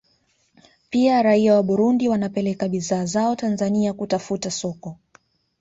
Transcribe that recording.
Pia raia wa Burundi wanapeleka bidhaa zao Tanzania kutafuta soko